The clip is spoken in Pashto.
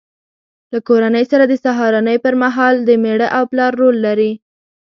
له کورنۍ سره د سهارنۍ پر مهال د مېړه او پلار رول لري.